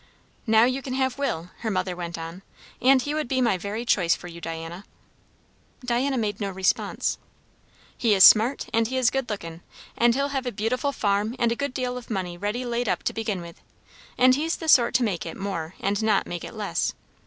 "Now you can have Will," her mother went on; "and he would be my very choice for you, Diana." Diana made no response. "He is smart; and he is good lookin'; and he'll have a beautiful farm and a good deal of money ready laid up to begin with; and he's the sort to make it more and not make it less.